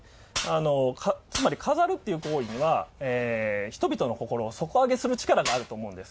つまり飾るっていう行為には人々の心を底上げする力があると思うんです。